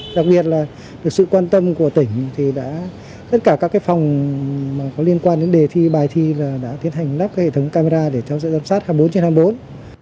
đặc biệt là được sự quan tâm của tỉnh thì đã tất cả các phòng có liên quan đến đề thi bài thi là đã tiến hành lắp hệ thống camera để theo dõi giám sát hai mươi bốn trên hai mươi bốn